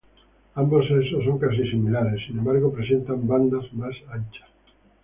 Ambos sexos son casi similares, sin embargo presenta bandas más anchas.